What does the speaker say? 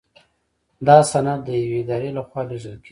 دا سند د یوې ادارې لخوا لیږل کیږي.